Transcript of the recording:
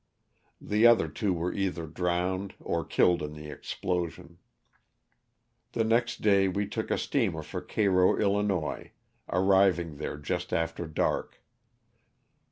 The other two were either drowned or killed in the explosion. The next day we took a steamer for Cairo, 111., arriv ing there just after dark.